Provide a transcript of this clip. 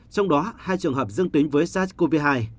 trong đó hai trường hợp dương tính với sars cov hai